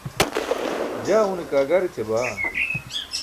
jaa une kaa gar eća baa